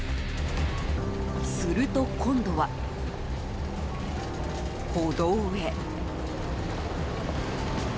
すると今度は、歩道へ。